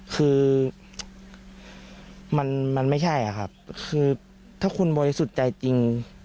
คือมันมันไม่ใช่อ่ะครับคือถ้าคุณโบยสุดใจจริง